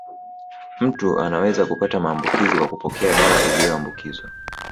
Mtu anaweza kupata maambukizi kwa kupokea dawa iliyoambukizwa